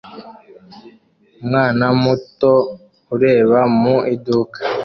Umwana muto ureba mu iduka